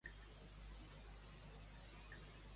Com ha quedat el partit de les sis de la Lliga Endesa?